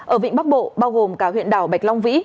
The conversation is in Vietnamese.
ở vịnh bắc bộ bao gồm cả huyện đảo bạch long vĩ